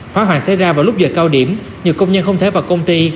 hóa hoàng xảy ra vào lúc giờ cao điểm nhiều công nhân không thể vào công ty